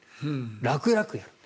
楽々やると。